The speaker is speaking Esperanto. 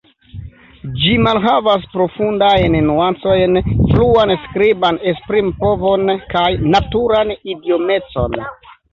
Ĝi malhavas profundajn nuancojn, fluan skriban esprimpovon kaj naturan idiomecon.